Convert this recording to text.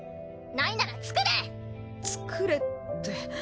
ないなら作れ！作れって。